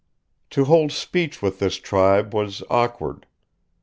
To hold speech with this tribe was awkward.